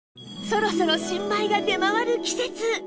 そろそろ新米が出回る季節